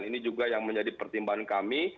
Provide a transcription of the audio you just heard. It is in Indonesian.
ini juga yang menjadi pertimbangan kami